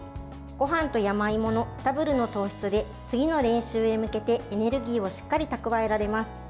ごはんと山芋のダブルの糖質で次の練習へ向けてエネルギーをしっかり蓄えられます。